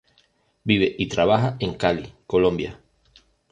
Vive y trabaja en Cali, Colombia